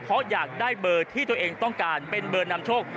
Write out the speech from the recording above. เพราะอยากได้เบอร์ที่ตัวเองต้องการเป็นเบอร์นำโชค